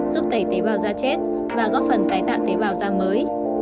giúp tẩy tế bào da chết và góp phần tái tạo tế bào da mới